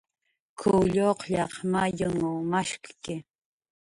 "K""uw lluqllaq mayunw mashqki"